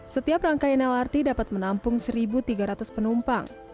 setiap rangkaian lrt dapat menampung satu tiga ratus penumpang